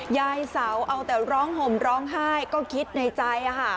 ยายเสาเอาแต่ร้องห่มร้องฮ่ายก็คิดในใจอ่ะค่ะ